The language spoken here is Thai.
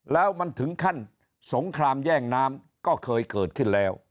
แล้วมันถึงขั้นสงครามแย่งน้ำก็เคยเกิดขึ้นแล้ว